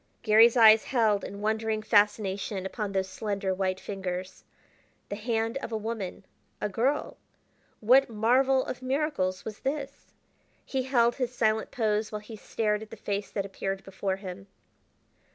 Garry's eyes held in wondering fascination upon those slender white fingers. The hand of a woman a girl! what marvel of miracles was this? He held his silent pose while he stared at the face that appeared before him.